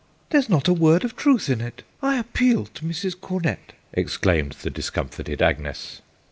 "There's not a word of truth in it! I appeal to Mrs. Cornett " exclaimed the discomfited Agnes.